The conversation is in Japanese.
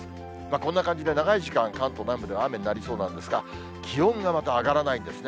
こんな感じで、長い時間、関東南部では雨になりそうなんですが、気温がまた上がらないんですね。